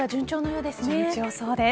順調そうです。